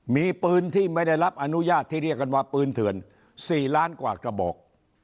มีปืนที่ไม่ได้รับอนุญาตที่เรียกกันว่าปืนเถื่อน๔ล้านกว่ากระบอก